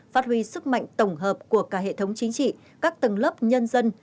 phát huy sức mạnh tổng hợp của cả hệ thống chính trị các tầng lớp nhân dân